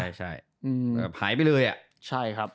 แบบหายไปเลยอ่ะ